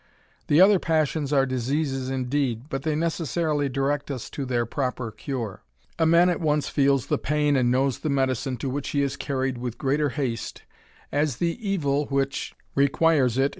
The other passions are diseases indeed, but they necessarily direct us to their proper cure. A man at once feels the pain and knows the medicine to which he is carried with greater haste as the evil which THE RAMBLER.